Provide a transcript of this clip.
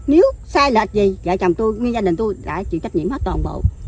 nếu sai lệch gì gia đình tôi đã chịu trách nhiệm hết toàn bộ